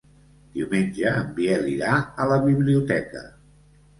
Diumenge en Biel irà a la biblioteca.